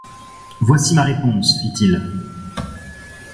Voici ma réponse, fit-il.